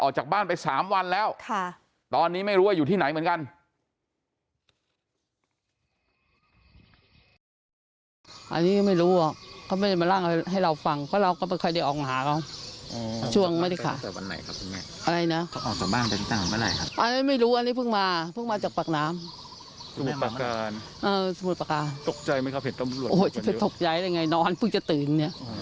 ออกจากบ้านไป๓วันแล้วตอนนี้ไม่รู้ว่าอยู่ที่ไหนเหมือนกัน